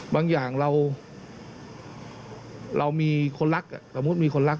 บางอย่างเรามีคนรักสมมุติมีคนรัก